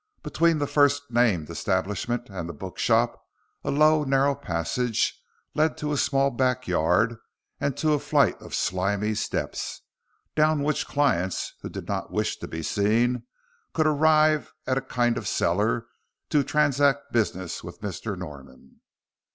Between the first named establishment and the bookshop a low, narrow passage led to a small backyard and to a flight of slimy steps, down which clients who did not wish to be seen could arrive at a kind of cellar to transact business with Mr. Norman.